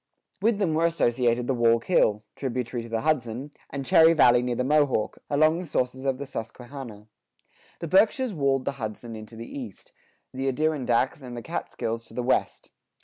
With them were associated the Wallkill, tributary to the Hudson, and Cherry Valley near the Mohawk, along the sources of the Susquehanna. The Berkshires walled the Hudson in to the east; the Adirondacks and the Catskills to the west.